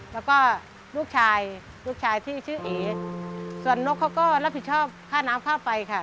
แล้วก็ลูกชายลูกชายที่ชื่อเอส่วนนกเขาก็รับผิดชอบค่าน้ำค่าไฟค่ะ